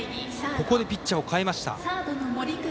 ここでピッチャーを代えました。